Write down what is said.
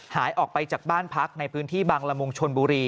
หายออกไปจากบ้านพักในพื้นที่บางละมุงชนบุรี